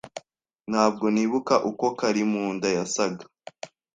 Ntabwo nibuka uko Karimunda yasaga.